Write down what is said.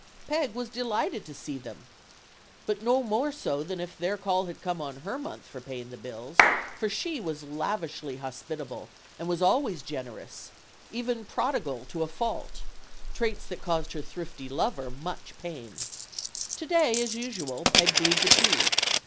Peg was delighted to see them. But no more so than if their call had come on her month for paying the bills, for she was lavishly hos pitable, and was always generous even prodigal to a fault; traits that caused her thrifty lover much pain. To day, as usual, Peg brewed the tea.